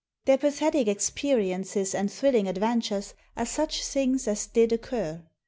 Their pathetic experiences and thrilling adventures are such things as did occur.